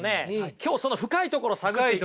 今日その深いところ探っていきますから。